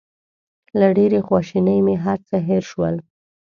له ډېرې خواشینۍ مې هر څه هېر شول.